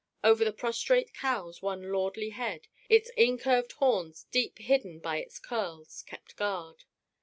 Over the prostrate cows one lordly head, its incurved horns deep hidden by its curls, kept guard.